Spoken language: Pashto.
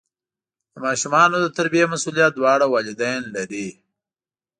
د ماشومانو د تربیې مسؤلیت دواړه والدین لري.